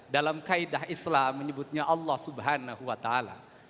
dalam kaidah islam menyebutnya allah subhanahu wa ta'ala